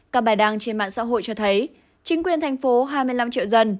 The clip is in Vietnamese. các bài đăng trên mạng xã hội cho thấy chính quyền thành phố hai mươi năm triệu dân